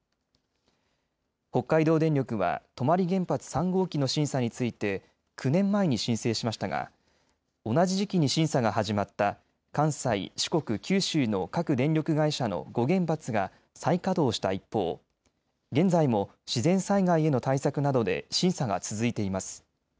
北海道電力は泊原発３号機の審査について９年前に申請しましたが同じ時期に審査が始まった関西、四国、九州の各電力会社の５原発が再稼働した一方、現在も自然災害への対策などで審査が続いています。